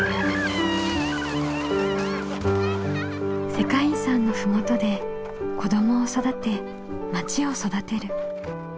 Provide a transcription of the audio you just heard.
世界遺産の麓で子どもを育てまちを育てる。